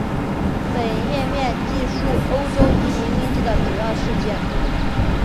本页面记叙欧洲移民危机的主要事件。